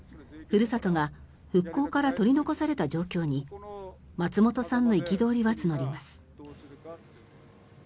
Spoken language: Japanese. ふるさとが復興から取り残された状況に松本さんの憤りは募ります。